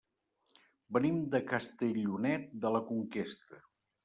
Venim de Castellonet de la Conquesta.